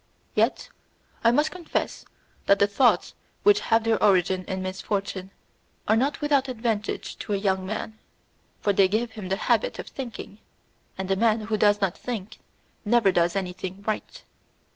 Yet I must confess that the thoughts which have their origin in misfortune are not without advantage to a young man, for they give him the habit of thinking, and the man who does not think never does anything right.